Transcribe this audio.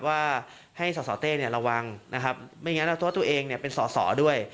ว่าให้สสเต้ระวังนะครับไม่งั้นแล้วตัวตัวเองเป็นสอสอด้วย